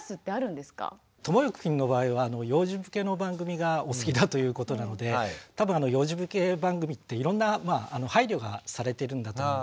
ともゆきくんの場合は幼児向けの番組がお好きだということなので多分幼児向け番組っていろんな配慮がされているんだと思うんですよね。